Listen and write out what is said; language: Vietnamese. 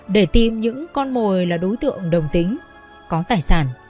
để tìm những con mồi là đối tượng đồng tính có tài sản